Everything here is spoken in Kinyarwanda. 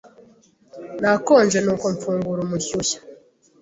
Nakonje, nuko mfungura umushyushya.